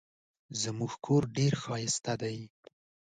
زموږ کور ډېر ښایسته دی.